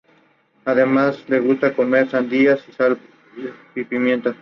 Además le gusta comer sandías con sal y pimienta